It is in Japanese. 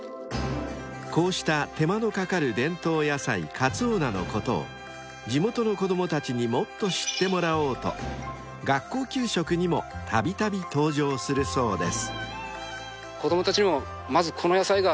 ［こうした手間の掛かる伝統野菜かつお菜のことを地元の子供たちにもっと知ってもらおうと学校給食にもたびたび登場するそうです］